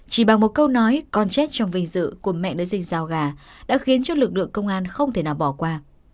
chỉ bằng một câu nói con chết trong vinh dự của mẹ đứa sinh giao gà đã khiến cho lực lượng công an không thể nào bỏ qua